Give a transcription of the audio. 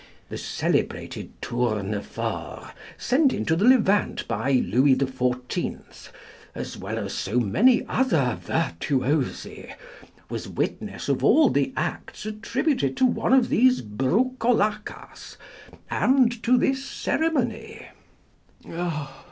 The celebrated Tournefort, sent into the Levant by Louis XIV., as well as so many other virtuosi, was witness of all the acts attributed to one of these "broucolacas," and to this ceremony.